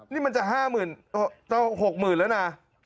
นี่มันจะ๕๐๐๐๐บาทต้อง๖๐๐๐๐บาทแล้วนะ